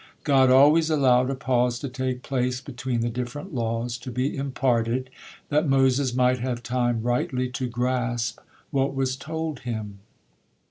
God always allowed a pause to take place between the different laws to be imparted, that Moses might have time rightly to grasp what was told him.